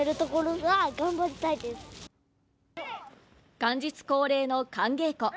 元日恒例の寒稽古。